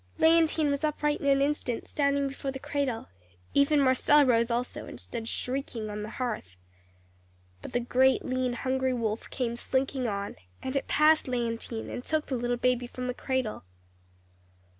"Léontine was upright in an instant, standing before the cradle. Even Marcelle rose also, and stood shrieking on the hearth. "But the great, lean, hungry wolf came slinking on and it passed Léontine, and took the little baby from the cradle.